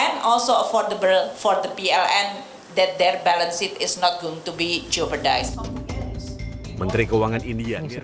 dan juga berharga untuk pln bahwa balansnya tidak akan dikeluarkan